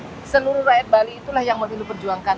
jadi seluruh rakyat bali itulah yang moknilu perjuangkan